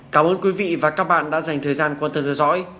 cảm ơn quý vị và các bạn đã dành thời gian quan tâm theo dõi